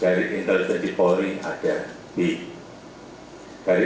dari intelijen di polri ada di